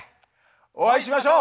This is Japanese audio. お会いしましょう。